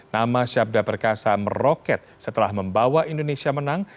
nama syabda perkasa meroket setelah membawa indonesia menang